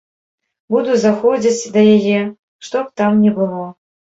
Буду заходзіць да яе, што б там ні было.